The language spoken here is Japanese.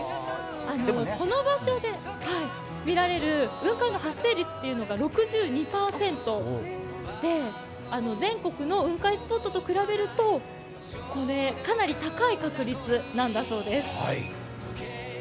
この場所で見られる雲海の発生率が６２％で全国の雲海スポットと比べるとかなり高い確率なんだそうです。